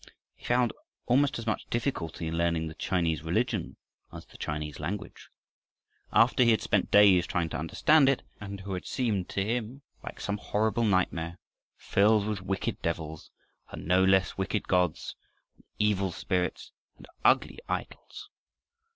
He found almost as much difficulty in learning the Chinese religion as the Chinese language. After he had spent days trying to understand it, it would seem to him like some horrible nightmare filled with wicked devils and no less wicked gods and evil spirits and ugly idols.